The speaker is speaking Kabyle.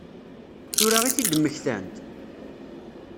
Tura i t-id-mmektant?